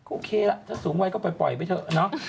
โอเคล่ะถ้าสูงวัยก็ปล่อยไปเถอะเนาะ